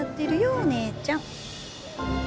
お姉ちゃん。